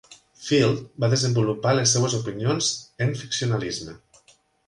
Field va desenvolupar les seves opinions en ficcionalisme.